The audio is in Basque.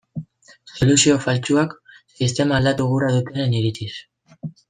Soluzio faltsuak, sistema aldatu gura dutenen iritziz.